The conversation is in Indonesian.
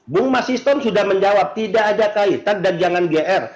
bung mas histon sudah menjawab tidak ada kaitan dan jangan gr